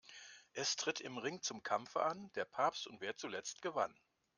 Es tritt im Ring zum Kampfe an: Der Papst und wer zuletzt gewann.